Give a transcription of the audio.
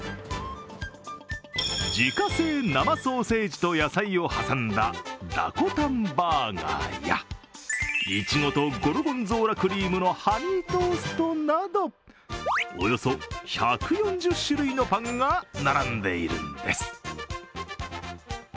自家製生ソーセージと野菜を挟んだダコタンバーガーやいちごとゴルゴンゾーラクリームのハニートーストなどおよそ１４０種類のパンが並んでいるんです。